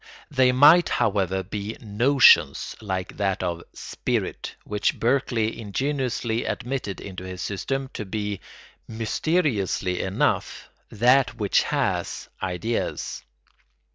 They might, however, be "notions" like that of "spirit," which Berkeley ingenuously admitted into his system, to be, mysteriously enough, that which has ideas.